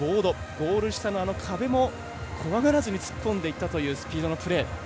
ゴール下の壁も怖がらずに突っ込んでいったという今のプレー。